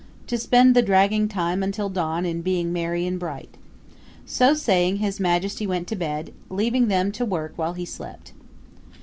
to spend the dragging time until dawn in being merry and bright. So saying His Majesty went to bed, leaving them to work while he slept.